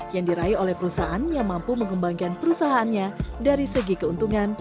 yang diraih oleh perusahaan yang mampu mengembangkan perusahaannya dari segi keuntungan